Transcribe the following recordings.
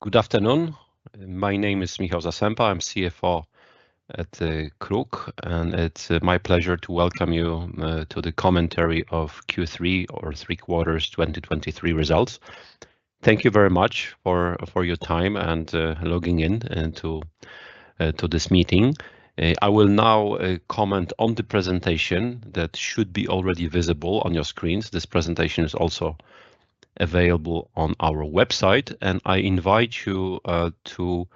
Good afternoon. My name is Michał Zasępa. I'm CFO at KRUK, and it's my pleasure to welcome you to the commentary of Q3 or 3 quarters 2023 results. Thank you very much for your time and logging in, and to this meeting. I will now comment on the presentation that should be already visible on your screens. This presentation is also available on our website, and I invite you to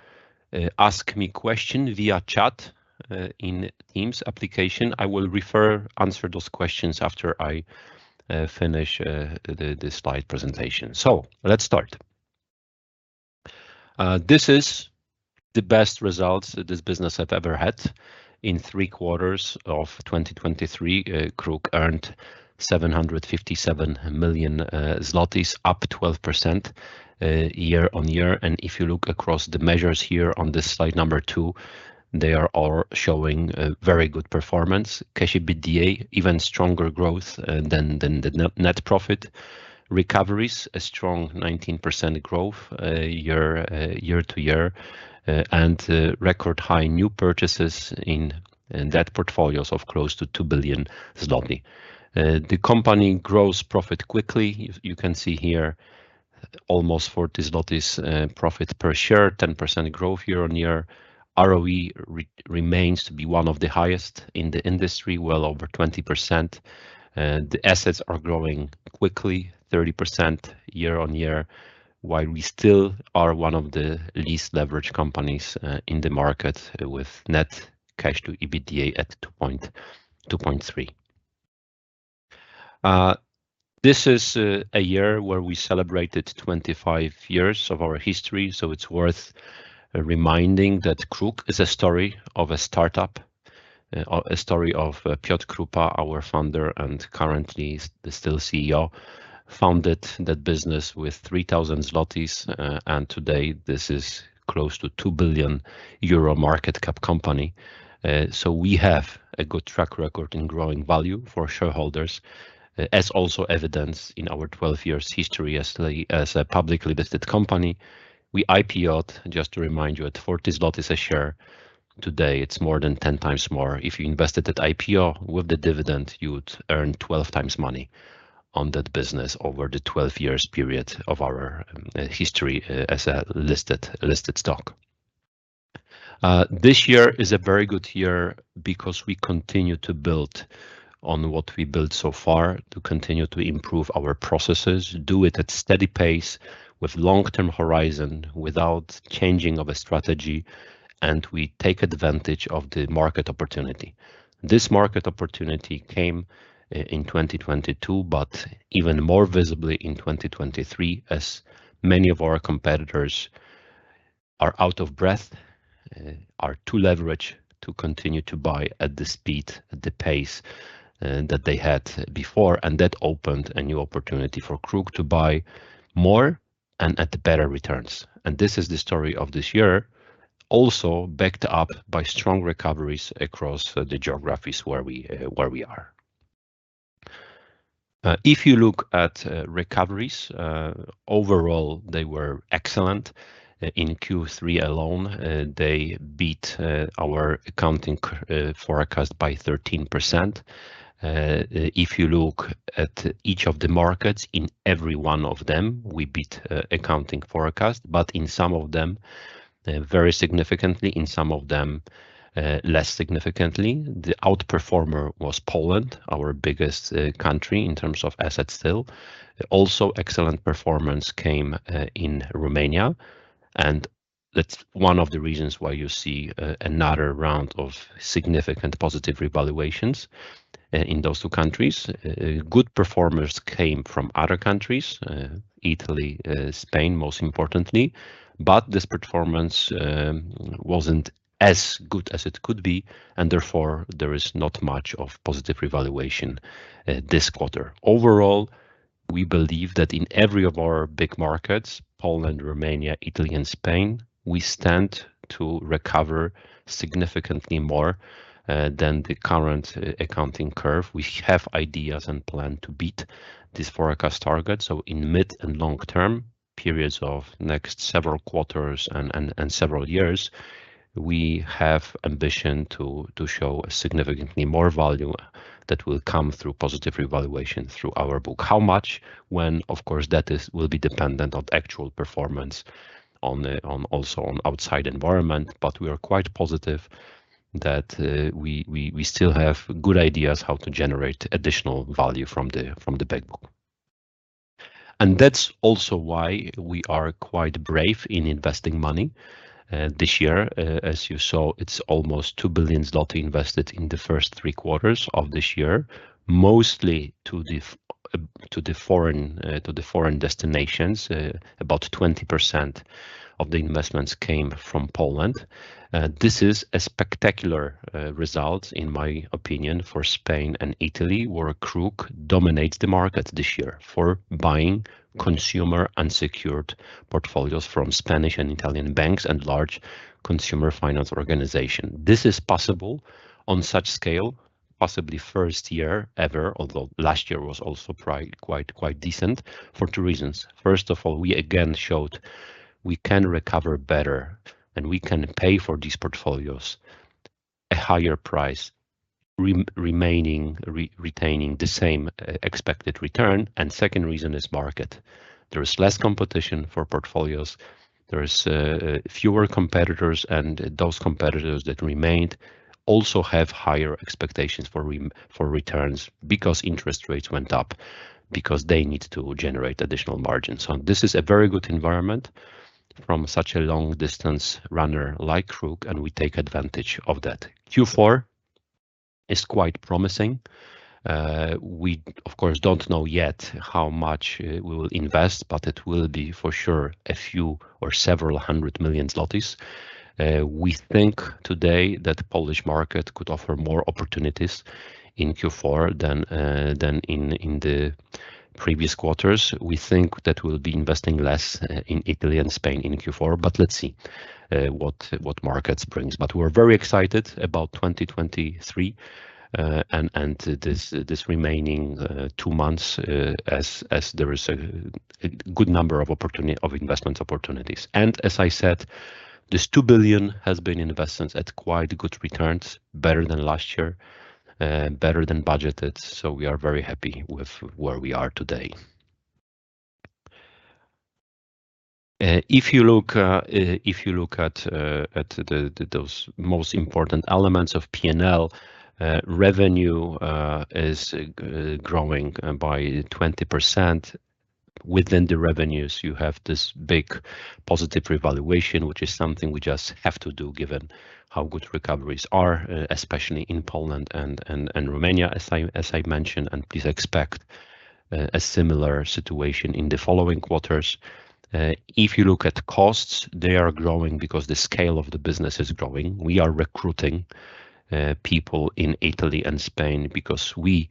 ask me question via chat in Teams application. I will refer, answer those questions after I finish the slide presentation. Let's start. This is the best results this business have ever had. In 3 quarters of 2023, KRUK earned 757 million zlotys, up 12% year-on-year. If you look across the measures here on this slide number 2, they are all showing a very good performance. Cash EBITDA, even stronger growth than the net profit. Recoveries, a strong 19% growth year-over-year, and record high new purchases in those portfolios of close to 2 billion zloty. The company grows profit quickly. You can see here, almost 40 zlotys profit per share, 10% growth year-over-year. ROE remains to be one of the highest in the industry, well over 20%, the assets are growing quickly, 30% year-over-year, while we still are one of the least leveraged companies in the market, with net cash to EBITDA at 2.3. This is a year where we celebrated 25 years of our history, so it's worth reminding that KRUK is a story of a startup, a story of Piotr Krupa, our founder, and currently still CEO, founded that business with 3,000 zlotys, and today this is close to 2 billion euro market cap company. We have a good track record in growing value for shareholders, as also evidenced in our 12 years history as a publicly listed company. We IPO'd, just to remind you, at 40 zlotys a share. Today, it's more than 10 times more. If you invested at IPO, with the dividend, you would earn 12 times money on that business over the 12 years period of our history as a listed stock. This year is a very good year because we continue to build on what we built so far, to continue to improve our processes, do it at steady pace, with long-term horizon, without changing of a strategy, and we take advantage of the market opportunity. This market opportunity came in 2022, but even more visibly in 2023, as many of our competitors are out of breath, are too leveraged to continue to buy at the speed, at the pace, that they had before, and that opened a new opportunity for KRUK to buy more and at better returns. This is the story of this year, also backed up by strong recoveries across the geographies where we are. If you look at recoveries overall, they were excellent. In Q3 alone, they beat our accounting forecast by 13%. If you look at each of the markets, in every one of them, we beat accounting forecast, but in some of them, very significantly, in some of them, less significantly. The outperformer was Poland, our biggest country in terms of assets still. Also, excellent performance came in Romania, and that's one of the reasons why you see another round of significant positive revaluations in those two countries. Good performers came from other countries, Italy, Spain, most importantly, but this performance wasn't as good as it could be, and therefore, there is not much of positive revaluation this quarter. Overall, we believe that in every of our big markets, Poland, Romania, Italy, and Spain, we stand to recover significantly more than the current accounting curve. We have ideas and plan to beat this forecast target, so in mid and long term periods of next several quarters and several years, we have ambition to show significantly more value that will come through positive revaluation through our book. How much? When? Of course, that will be dependent on actual performance, also on outside environment, but we are quite positive that we still have good ideas how to generate additional value from the big book. That's also why we are quite brave in investing money. This year, as you saw, it's almost 2 billion zloty invested in the first three quarters of this year, mostly to the foreign destinations. About 20% of the investments came from Poland. This is a spectacular result, in my opinion, for Spain and Italy, where KRUK dominates the market this year for buying consumer unsecured portfolios from Spanish and Italian banks and large consumer finance organization. This is possible on such scale, possibly first year ever, although last year was also quite, quite, quite decent for two reasons. First of all, we again showed we can recover better, and we can pay for these portfolios a higher price, retaining the same expected return. Second reason is market. There is less competition for portfolios. There is fewer competitors, and those competitors that remained also have higher expectations for returns because interest rates went up, because they need to generate additional margins. This is a very good environment from such a long-distance runner like KRUK, and we take advantage of that. Q4 is quite promising. We, of course, don't know yet how much we will invest, but it will be for sure, a few or several hundred million PLN. We think today that Polish market could offer more opportunities in Q4 than in the previous quarters. We think that we'll be investing less in Italy and Spain in Q4, but let's see what markets brings. We're very excited about 2023 and this remaining two months, as there is a good number of investment opportunities. As I said, this 2 billion has been investments at quite good returns, better than last year, better than budgeted, so we are very happy with where we are today. If you look at those most important elements of PNL, revenue is growing by 20%. Within the revenues, you have this big positive revaluation, which is something we just have to do, given how good recoveries are, especially in Poland and Romania, as I mentioned, and please expect a similar situation in the following quarters. If you look at costs, they are growing because the scale of the business is growing. We are recruiting people in Italy and Spain because we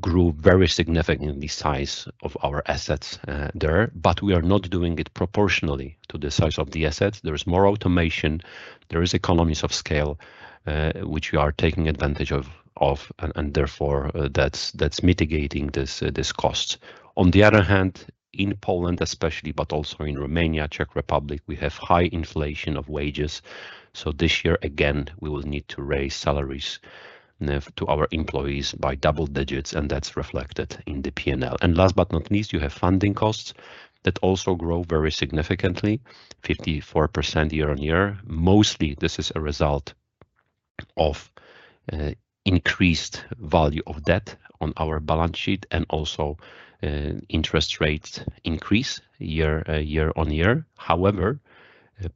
grew very significantly size of our assets there, but we are not doing it proportionally to the size of the assets. There is more automation, there is economies of scale, which we are taking advantage of, and therefore, that's mitigating this cost. On the other hand, in Poland especially, but also in Romania, Czech Republic, we have high inflation of wages, so this year, again, we will need to raise salaries to our employees by double digits, and that's reflected in the PNL. Last but not least, you have funding costs that also grow very significantly, 54% year-on-year. Mostly, this is a result of increased value of debt on our balance sheet and also interest rates increase year-on-year. However,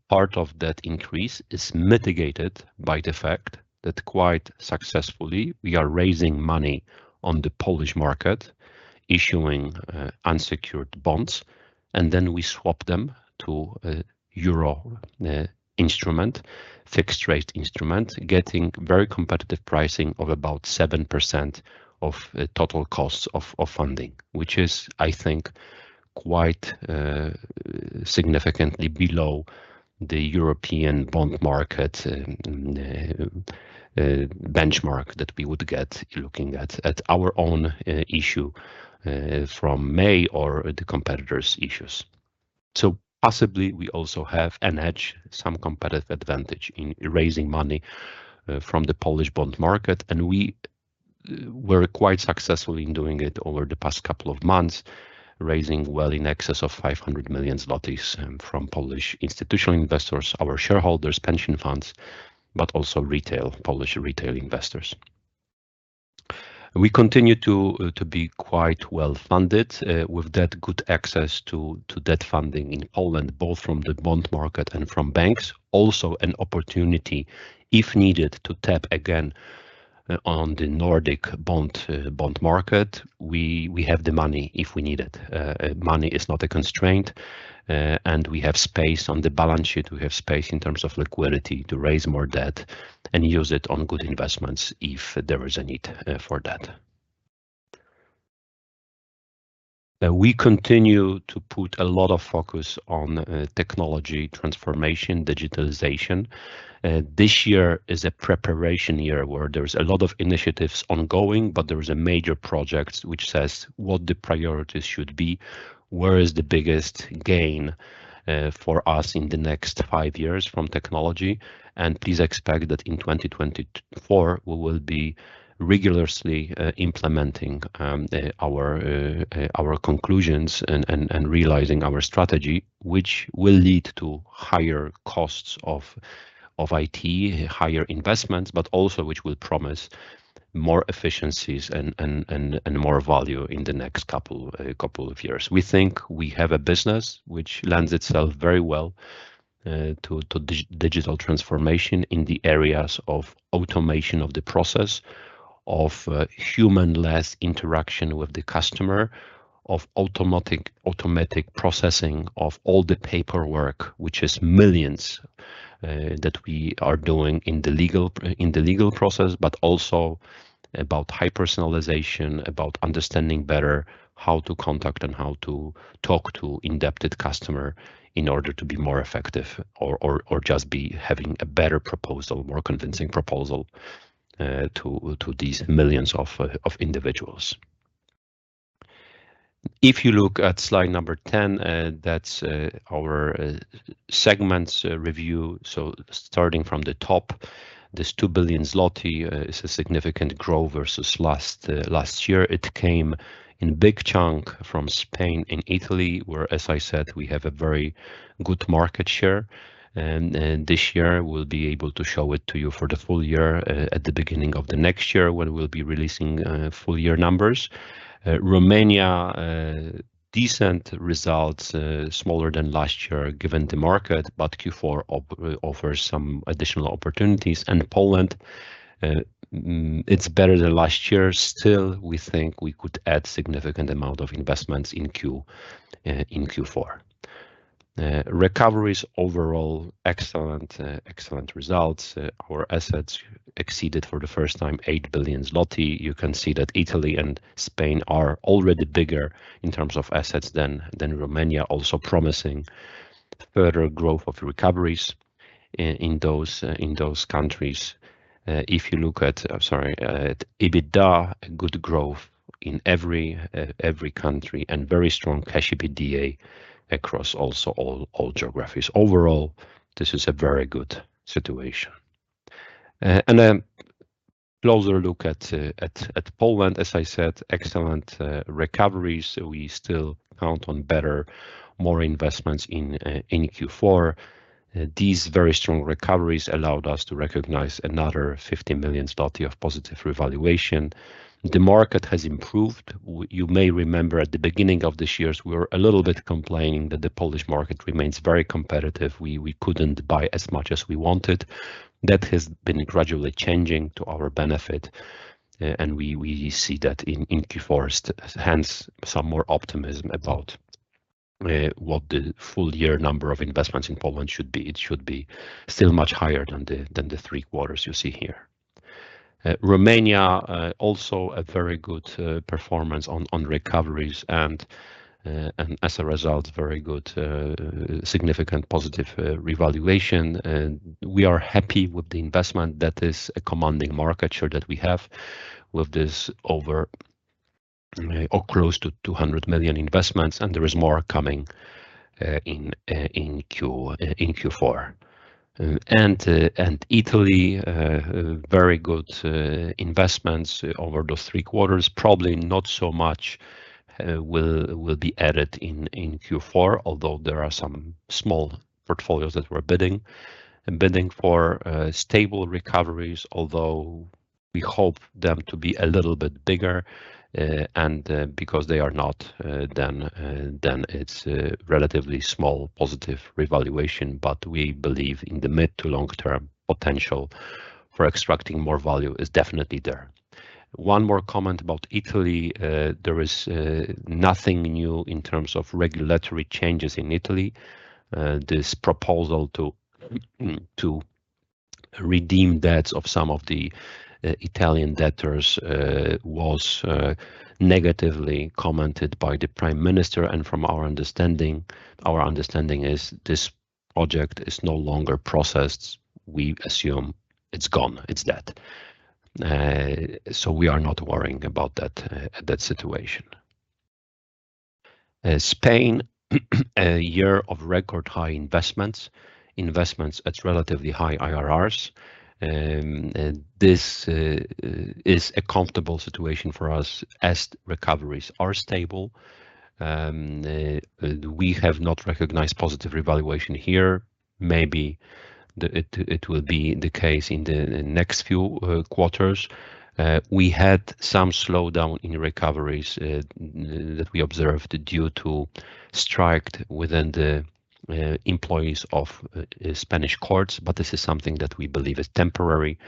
part of that increase is mitigated by the fact that quite successfully, we are raising money on the Polish market, issuing unsecured bonds, and then we swap them to a euro instrument, fixed rate instrument, getting very competitive pricing of about 7% of the total costs of funding, which is, I think, quite significantly below the European bond market benchmark that we would get looking at our own issue from May or the competitors' issues. Possibly, we also have an edge, some competitive advantage in raising money from the Polish bond market, and we were quite successful in doing it over the past couple of months, raising well in excess of 500 million zlotys from Polish institutional investors, our shareholders, pension funds, but also retail, Polish retail investors. We continue to be quite well-funded with that good access to debt funding in Poland, both from the bond market and from banks. Also an opportunity, if needed, to tap again on the Nordic bond bond market. We have the money if we need it. Money is not a constraint, and we have space on the balance sheet. We have space in terms of liquidity to raise more debt and use it on good investments if there is a need for that. We continue to put a lot of focus on technology transformation, digitalization. This year is a preparation year, where there is a lot of initiatives ongoing, but there is a major project which says what the priorities should be, where is the biggest gain for us in the next 5 years from technology. Please expect that in 2024, we will be rigorously implementing our conclusions and realizing our strategy, which will lead to higher costs of IT, higher investments, but also which will promise more efficiencies and more value in the next couple of years. We think we have a business which lends itself very well to digital transformation in the areas of automation of the process, of human-less interaction with the customer, of automatic processing of all the paperwork, which is millions, that we are doing in the legal process, but also about high personalization, about understanding better how to contact and how to talk to indebted customer in order to be more effective or just be having a better proposal, more convincing proposal, to these millions of individuals... If you look at slide number 10, that's our segments review. Starting from the top, this 2 billion zloty is a significant growth versus last year. It came in big chunk from Spain and Italy, where, as I said, we have a very good market share. This year, we'll be able to show it to you for the full year at the beginning of the next year, when we'll be releasing full year numbers. Romania, decent results, smaller than last year, given the market, but Q4 offers some additional opportunities. Poland, it's better than last year. Still, we think we could add significant amount of investments in Q4. Recoveries, overall, excellent, excellent results. Our assets exceeded, for the first time, 8 billion zloty. You can see that Italy and Spain are already bigger in terms of assets than Romania, also promising further growth of recoveries in those countries. If you look at, I'm sorry, at EBITDA, good growth in every country, and very strong Cash EBITDA across also all geographies. Overall, this is a very good situation. A closer look at Poland, as I said, excellent recoveries. We still count on better, more investments in Q4. These very strong recoveries allowed us to recognize another 50 million zloty of positive revaluation. The market has improved. You may remember at the beginning of this year, we were a little bit complaining that the Polish market remains very competitive. We couldn't buy as much as we wanted. That has been gradually changing to our benefit, and we see that in Q4. Hence, some more optimism about what the full year number of investments in Poland should be. It should be still much higher than the three quarters you see here. Romania also a very good performance on recoveries, and as a result, very good significant positive revaluation. And we are happy with the investment that is a commanding market share that we have with this over or close to 200 million investments, and there is more coming in Q4. And Italy a very good investments over those three quarters. Probably not so much will be added in Q4, although there are some small portfolios that we're bidding for, stable recoveries, although we hope them to be a little bit bigger, and because they are not, then it's a relatively small positive revaluation. We believe in the mid to long-term potential for extracting more value is definitely there. One more comment about Italy. There is nothing new in terms of regulatory changes in Italy. This proposal to redeem debts of some of the Italian debtors was negatively commented by the Prime Minister. From our understanding, our understanding is this project is no longer processed. We assume it's gone. It's dead. We are not worrying about that situation. Spain, a year of record-high investments, investments at relatively high IRRs. This is a comfortable situation for us, as recoveries are stable. We have not recognized positive revaluation here. Maybe it will be the case in the next few quarters. We had some slowdown in recoveries that we observed due to strike within the employees of Spanish courts, but this is something that we believe is temporary.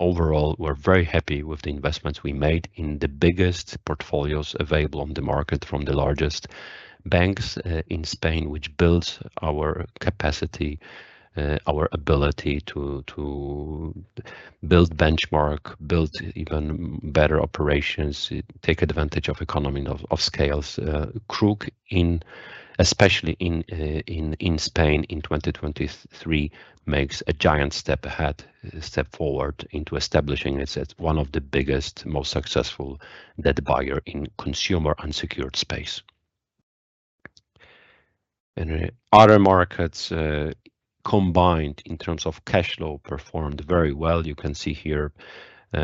Overall, we're very happy with the investments we made in the biggest portfolios available on the market, from the largest banks in Spain, which builds our capacity, our ability to build benchmark, build even better operations, take advantage of economy of scales. KRUK, especially in Spain in 2023, makes a giant step ahead, step forward into establishing itself as one of the biggest, most successful debt buyer in consumer unsecured space. Other markets, combined in terms of cash flow, performed very well. You can see here, cash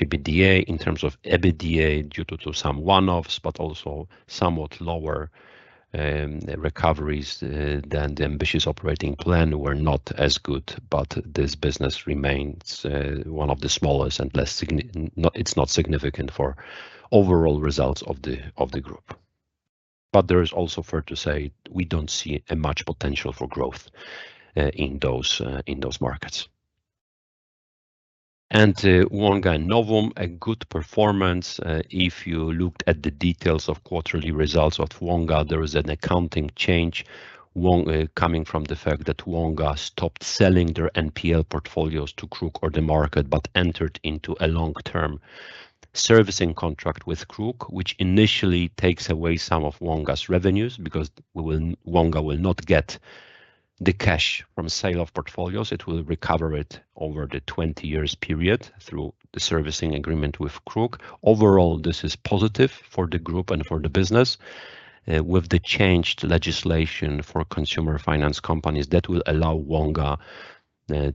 EBITDA in terms of EBITDA, due to some one-offs, but also somewhat lower recoveries than the ambitious operating plan, were not as good. This business remains one of the smallest and less signi-- not, it's not significant for overall results of the group. There is also fair to say, we don't see a much potential for growth in those markets. And Wonga & Novum, a good performance. If you looked at the details of quarterly results of Wonga, there is an accounting change, Wonga, coming from the fact that Wonga stopped selling their NPL portfolios to Kruk or the market, but entered into a long-term servicing contract with Kruk, which initially takes away some of Wonga's revenues, because Wonga will not get-... The cash from sale of portfolios, it will recover it over the 20-year period through the servicing agreement with KRUK. Overall, this is positive for the group and for the business, with the changed legislation for consumer finance companies, that will allow Wonga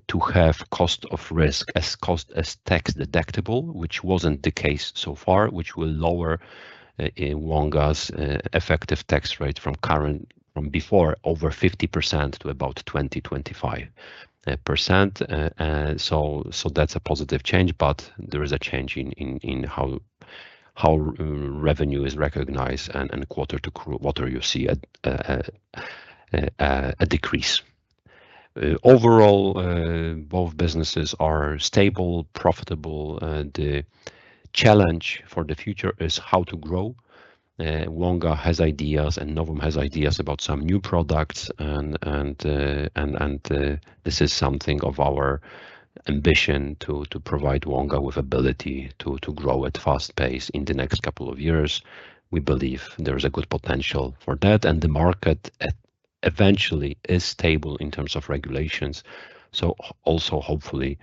to have cost of risk as tax deductible, which wasn't the case so far, which will lower Wonga's effective tax rate from before over 50% to about 20-25%. That's a positive change, but there is a change in how revenue is recognized and quarter-to-quarter, you see a decrease. Overall, both businesses are stable, profitable, and the challenge for the future is how to grow. Wonga has ideas, and Novum has ideas about some new products. This is something of our ambition to provide Wonga with ability to grow at fast pace in the next couple of years. We believe there is a good potential for that, and the market eventually is stable in terms of regulations, so also hopefully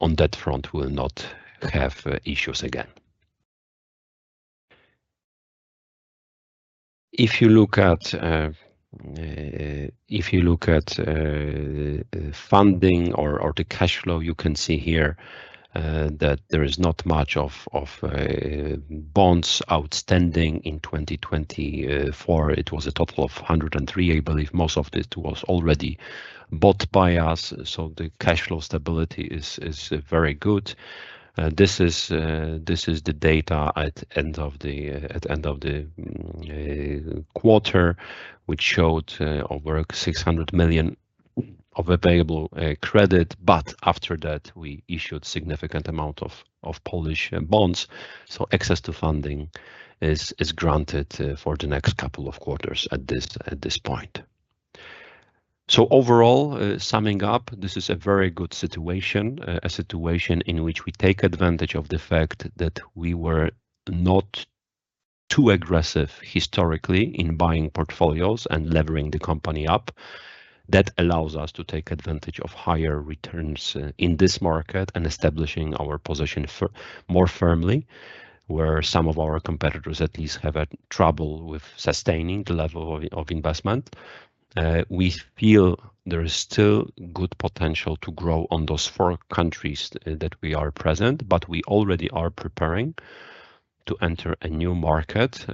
on that front, we will not have issues again. If you look at funding or the cash flow, you can see here that there is not much of bonds outstanding. In 2024, it was a total of 103. I believe most of this was already bought by us, so the cash flow stability is very good. This is the data at end of the quarter, which showed over 600 million of available credit, but after that, we issued significant amount of Polish bonds, so access to funding is granted for the next couple of quarters at this point. Overall, summing up, this is a very good situation, a situation in which we take advantage of the fact that we were not too aggressive historically in buying portfolios and levering the company up. That allows us to take advantage of higher returns in this market and establishing our position more firmly, where some of our competitors at least have a trouble with sustaining the level of investment. We feel there is still good potential to grow on those four countries that we are present, but we already are preparing to enter a new market.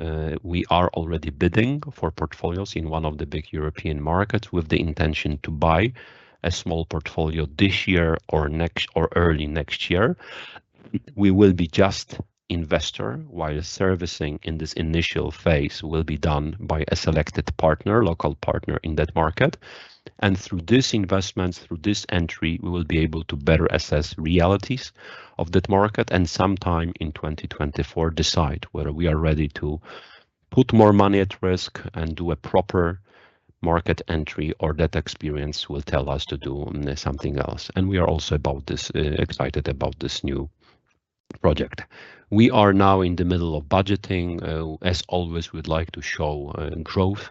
We are already bidding for portfolios in one of the big European markets, with the intention to buy a small portfolio this year or next, or early next year. We will be just investor, while servicing in this initial phase will be done by a selected partner, local partner in that market. Through this investment, through this entry, we will be able to better assess realities of that market, and sometime in 2024, decide whether we are ready to put more money at risk and do a proper market entry, or that experience will tell us to do something else. We are also excited about this new project. We are now in the middle of budgeting. As always, we'd like to show growth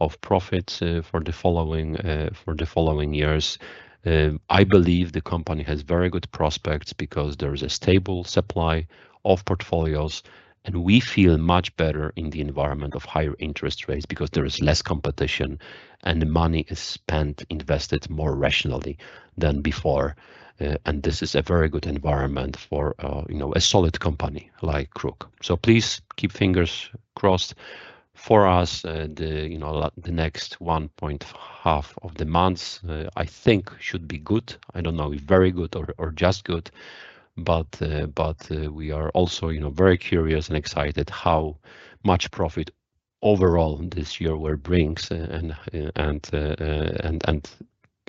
of profits for the following years. I believe the company has very good prospects because there is a stable supply of portfolios, and we feel much better in the environment of higher interest rates because there is less competition, and the money is spent, invested more rationally than before, and this is a very good environment for, you know, a solid company like KRUK. So please keep fingers crossed for us. The, you know, the next one point half of the months, I think should be good. I don't know if very good or just good, but we are also, you know, very curious and excited how much profit overall this year will brings, and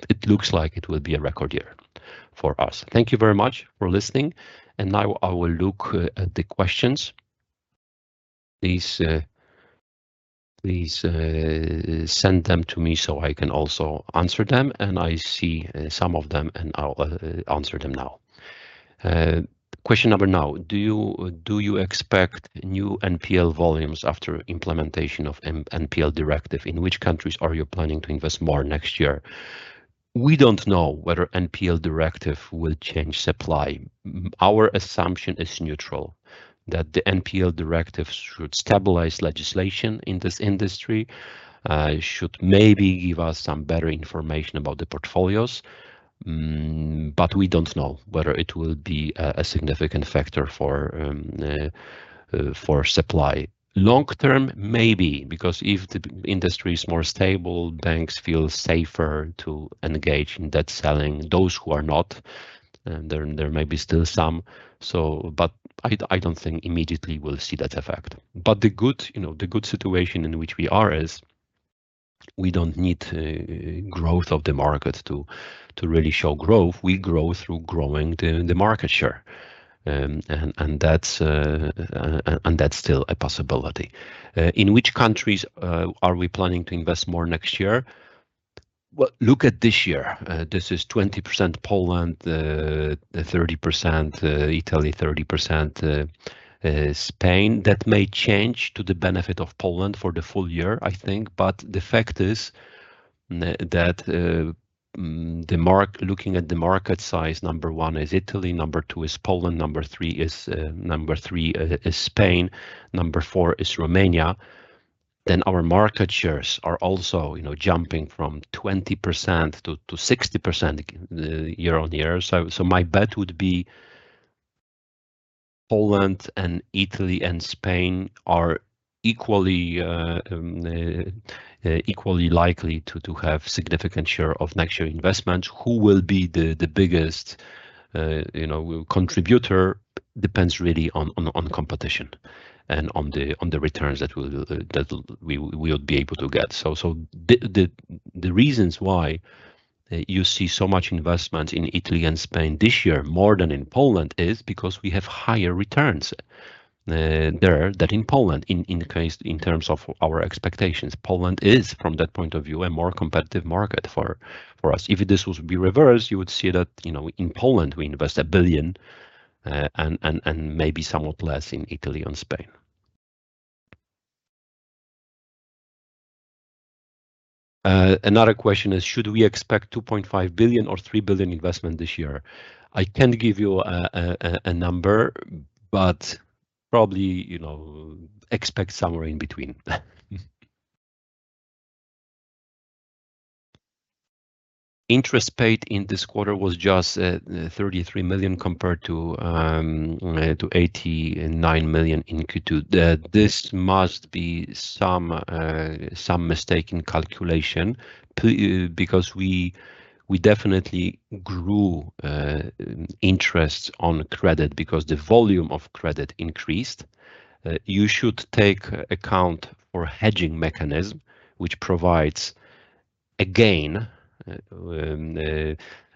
it looks like it will be a record year for us. Thank you very much for listening, and now I will look at the questions. Please send them to me, so I can also answer them, and I see some of them, and I'll answer them now. Question number now: Do you expect new NPL volumes after implementation of NPL Directive? In which countries are you planning to invest more next year? We don't know whether NPL Directive will change supply. Our assumption is neutral, that the NPL Directive should stabilize legislation in this industry, should maybe give us some better information about the portfolios, but we don't know whether it will be a significant factor for supply. Long term, maybe, because if the industry is more stable, banks feel safer to engage in debt selling. Those who are not there may be still some, so but I don't think immediately we'll see that effect. The good, you know, the good situation in which we are is we don't need growth of the market to really show growth. We grow through growing the market share, and that's still a possibility. In which countries are we planning to invest more next year? Well, look at this year. This is 20% Poland, 30% Italy, 30% Spain. That may change to the benefit of Poland for the full year, I think, but the fact is that the market, looking at the market size, 1 is Italy, 2 is Poland, 3 is Spain, 4 is Romania. Then our market shares are also, you know, jumping from 20% to 60% year-over-year. My bet would be Poland and Italy and Spain are equally likely to have significant share of next year investments. Who will be the biggest, you know, contributor depends really on competition and on the returns that we would be able to get. The reasons why you see so much investment in Italy and Spain this year, more than in Poland, is because we have higher returns there than in Poland. In case, in terms of our expectations, Poland is, from that point of view, a more competitive market for us. If this was to be reversed, you would see that, you know, in Poland, we invest 1 billion and maybe somewhat less in Italy and Spain. Another question is, should we expect 2.5 billion or 3 billion investment this year? I can't give you a number, but probably, you know, expect somewhere in between. Interest paid in this quarter was just 33 million compared to 89 million in Q2. This must be some mistake in calculation because we definitely grew interest on credit because the volume of credit increased. You should take account for hedging mechanism, which provides a gain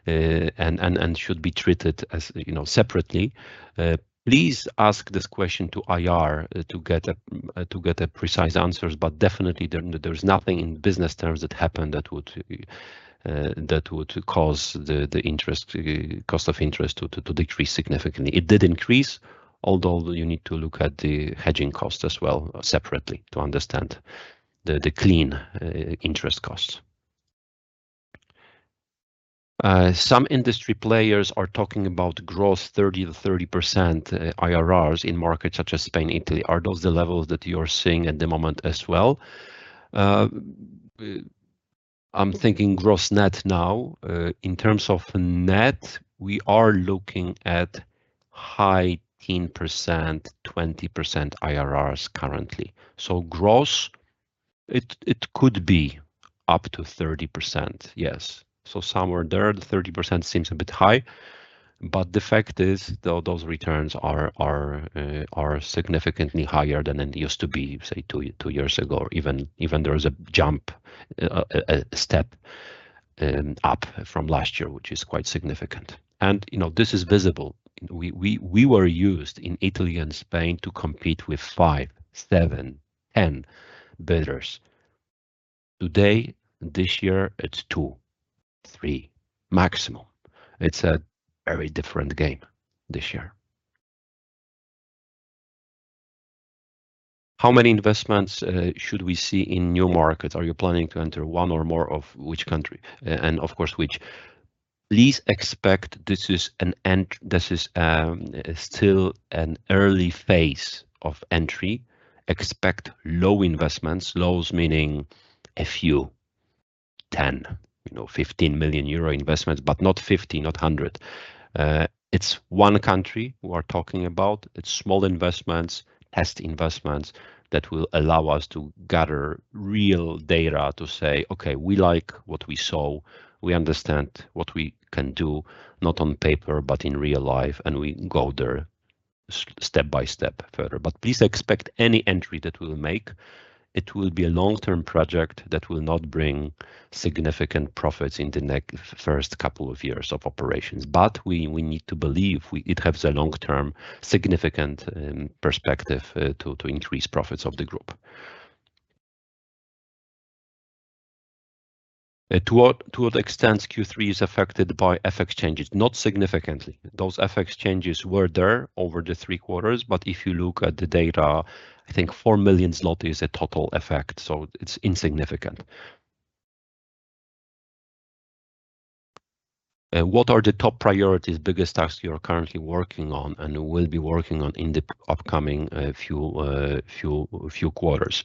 and should be treated as, you know, separately. Please ask this question to IR to get a precise answers, but definitely there, there's nothing in business terms that happened that would cause the interest cost of interest to decrease significantly. It did increase, although you need to look at the hedging cost as well, separately, to understand the clean interest costs. Some industry players are talking about gross 30%-30% IRRs in markets such as Spain, Italy. Are those the levels that you're seeing at the moment as well? I'm thinking gross net now. In terms of net, we are looking at high teens-20% IRRs currently. Gross, it could be up to 30%, yes. Somewhere there, the 30% seems a bit high, but the fact is, though those returns are significantly higher than it used to be, say, 2 years ago, even there is a jump, a step up from last year, which is quite significant. And, this is visible. We were used in Italy and Spain to compete with 5, 7, 10 bidders. Today, this year, it's 2, 3 maximum. It's a very different game this year. How many investments should we see in new markets? Are you planning to enter one or more, of which country, and of course, which? Please expect this is still an early phase of entry. Expect low investments, lows meaning a few, 10, you know, 15 million euro investments, but not 50, not 100. It's one country we're talking about. It's small investments, test investments that will allow us to gather real data to say, "Okay, we like what we saw. We understand what we can do, not on paper, but in real life, and we go there step by step further." Please expect any entry that we'll make, it will be a long-term project that will not bring significant profits in the next first couple of years of operations. We need to believe we. It has a long-term, significant perspective to increase profits of the group. To what extent Q3 is affected by FX changes? Not significantly. Those FX changes were there over the three quarters, but if you look at the data, I think 4 million zlotys is a total effect, so it's insignificant. What are the top priorities, biggest tasks you are currently working on and will be working on in the upcoming few quarters?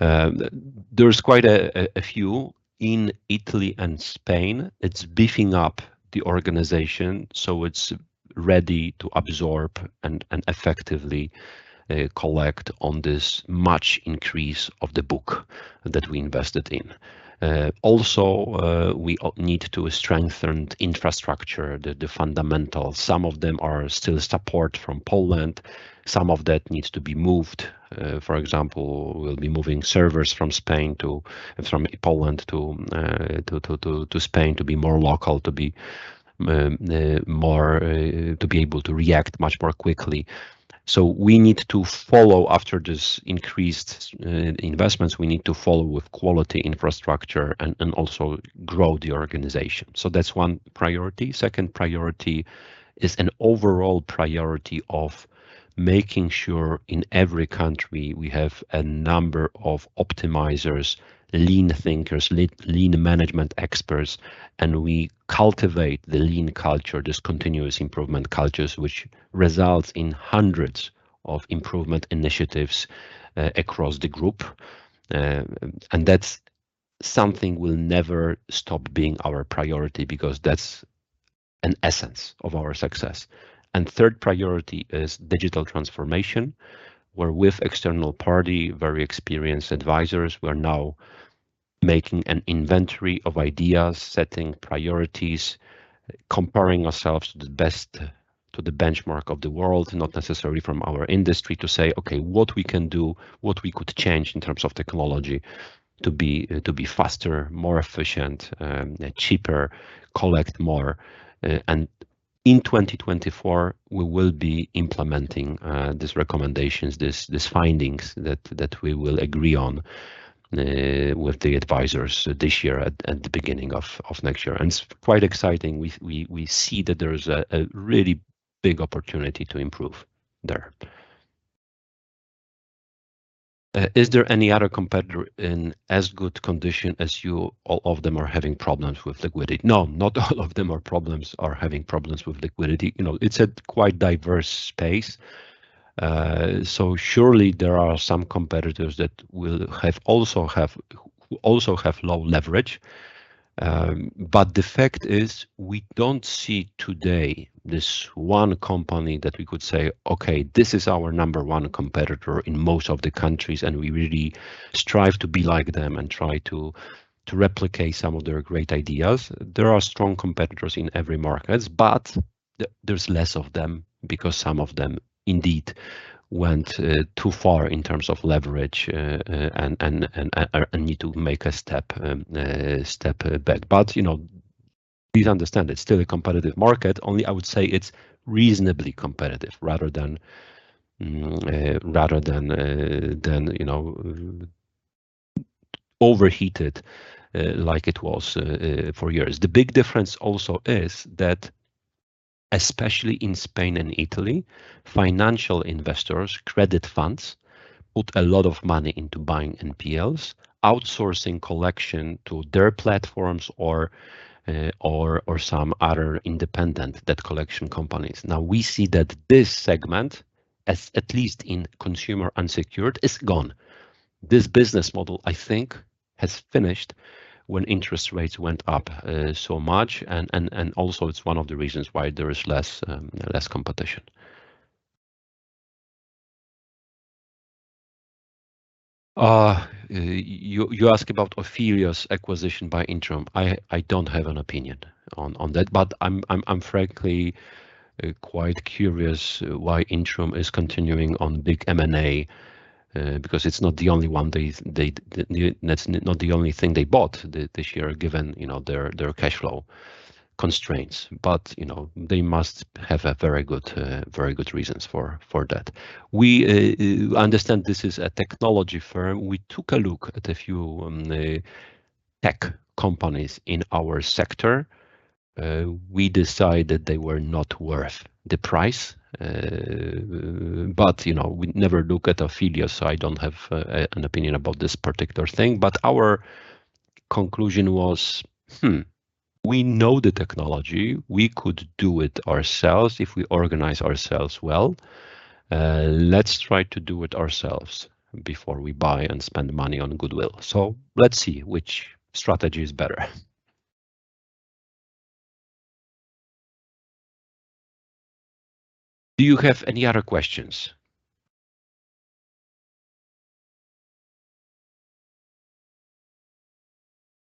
There is quite a few. In Italy and Spain, it's beefing up the organization, so it's ready to absorb and effectively collect on this much increase of the book that we invested in. Also, we need to strengthen infrastructure, the fundamentals. Some of them are still support from Poland. Some of that needs to be moved. For example, we'll be moving servers from Spain to... From Poland to Spain, to be more local, to be able to react much more quickly.... So we need to follow after this increased investments, we need to follow with quality infrastructure and also grow the organization. That's one priority. Second priority is an overall priority of making sure in every country we have a number of optimizers, Lean thinkers, Lean management experts, and we cultivate the Lean culture, this continuous improvement cultures, which results in hundreds of improvement initiatives across the group. And that's something we'll never stop being our priority, because that's an essence of our success. Third priority is digital transformation, where with external party, very experienced advisors, we're now making an inventory of ideas, setting priorities, comparing ourselves to the best, to the benchmark of the world, not necessarily from our industry, to say, "Okay, what we can do? What we could change in terms of technology to be faster, more efficient, cheaper, collect more?" In 2024, we will be implementing these recommendations, these findings that we will agree on with the advisors this year, at the beginning of next year. It's quite exciting. We see that there is a really big opportunity to improve there. Is there any other competitor in as good condition as you? All of them are having problems with liquidity. No, not all of them are having problems with liquidity. You know, it's a quite diverse space. Surely there are some competitors that also have low leverage. The fact is, we don't see today this one company that we could say, "Okay, this is our number one competitor in most of the countries, and we really strive to be like them and try to replicate some of their great ideas." There are strong competitors in every markets, but there's less of them because some of them indeed went too far in terms of leverage and need to make a step back. Please understand, it's still a competitive market, only I would say it's reasonably competitive rather than you know, overheated like it was for years. The big difference also is that, especially in Spain and Italy, financial investors, credit funds, put a lot of money into buying NPLs, outsourcing collection to their platforms or some other independent debt collection companies. Now, we see that this segment, as at least in consumer unsecured, is gone. This business model, I think, has finished when interest rates went up so much. It's one of the reasons why there is less competition. You ask about Ophelos acquisition by Intrum. I don't have an opinion on that, but I'm frankly quite curious why Intrum is continuing on big M&A, because it's not the only one they... That's not the only thing they bought this year, given, you know, their cash flow constraints. They must have a very good, very good reasons for, for that. We understand this is a technology firm. We took a look at a few, tech companies in our sector. We decided they were not worth the price. We never look at Ophelos, so I don't have, an opinion about this particular thing. Our conclusion was, "Hmm, we know the technology. We could do it ourselves if we organize ourselves well. Let's try to do it ourselves before we buy and spend money on goodwill." Let's see which strategy is better. Do you have any other questions?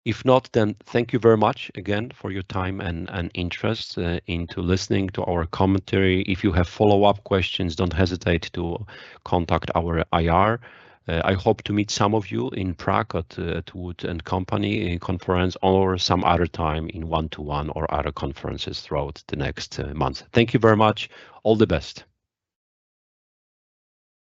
If not, then thank you very much again for your time and, and interest, into listening to our commentary. If you have follow-up questions, don't hesitate to contact our IR. I hope to meet some of you in Prague at Wood & Company conference or some other time in one-to-one or other conferences throughout the next month. Thank you very much. All the best!